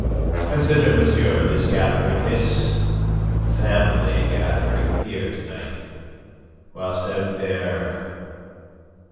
Consider, monsieur, this gathering this family gathering here to night, whilst out there...